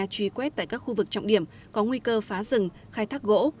truy quét tại các khu vực trọng điểm có nguy cơ phá rừng khai thác gỗ